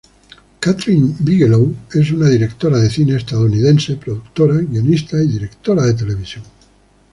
Kathryn Bigelow es una directora de cine estadounidense, productora, guionista, y directora de televisión.